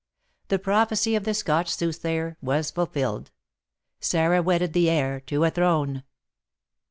The prophecy of the Scotch soothsayer was fulfilled, Sarah wedded the heir to a throne.